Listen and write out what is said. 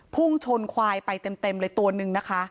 พุ่งชนควายไปเต็มเลยตัวนึงนะคะ